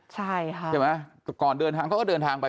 ใช่ก่อนเดินทางก็ก็เดินทางไป